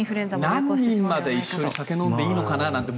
何人まで一緒に酒飲んでいいのかななんて